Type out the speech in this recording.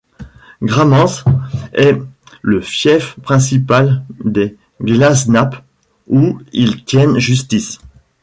Gramenz est le fief principal des Glasenapp, où ils tiennent justice.